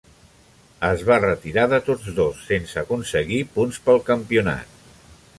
Es va retirar de tots dos, sense aconseguir punts pel campionat.